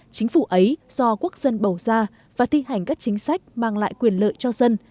chính phủ ấy do quốc dân bầu ra và thi hành các chính sách mang lại quyền lợi cho dân